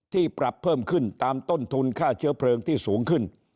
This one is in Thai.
ปรับเพิ่มขึ้นตามต้นทุนค่าเชื้อเพลิงที่สูงขึ้น